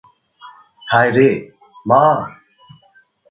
হায়রে, মা!